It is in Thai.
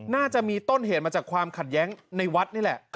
น่าจะมีต้นเหตุมาจากความขัดแย้งในวัดนี่แหละ